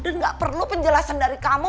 dan gak perlu penjelasan dari kamu